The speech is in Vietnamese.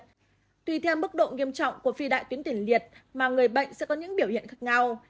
tuy theo mức độ nghiêm trọng của phi đại tuyến tỉnh liệt mà người bệnh sẽ có những biểu hiện khác nhau